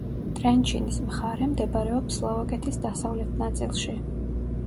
ტრენჩინის მხარე მდებარეობს სლოვაკეთის დასავლეთ ნაწილში.